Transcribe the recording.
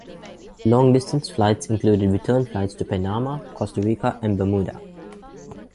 Long-distance flights included return flights to Panama, Costa Rica and Bermuda.